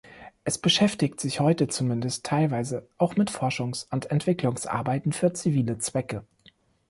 Es beschäftigt sich heute zumindest teilweise auch mit Forschungs- und Entwicklungsarbeiten für zivile Zwecke.